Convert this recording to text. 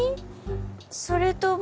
それとも。